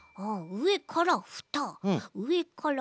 うえからふた。